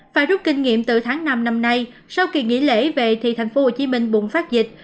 phải rút kinh nghiệm từ tháng năm năm nay sau kỳ nghỉ lễ về thì thành phố hồ chí minh bùng phát dịch